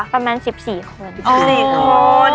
ประมาณ๑๔คน